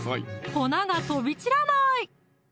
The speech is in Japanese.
粉が飛び散らない！